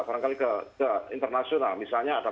barangkali ke internasional misalnya ada